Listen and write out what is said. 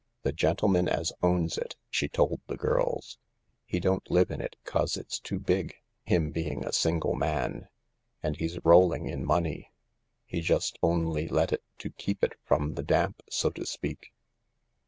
"The gentleman as owns it," she told the girls, "he don't live in it 'cause it's too big, him being a single man. And he's rolling in money ; he just only let it to keep it from the damp, so to speak.